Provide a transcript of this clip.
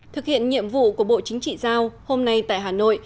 thực hiện nhiệm vụ của bộ chính trị giao hôm nay tại hà nội